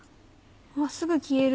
あっすぐ消える。